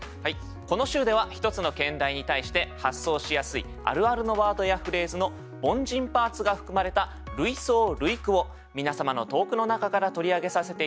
この週では一つの兼題に対して発想しやすいあるあるのワードやフレーズの「凡人パーツ」が含まれた類想類句を皆様の投句の中から取り上げさせて頂き